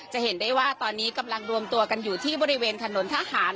จะเห็นได้ว่าตอนนี้กำลังรวมตัวกันอยู่ที่บริเวณถนนทหาร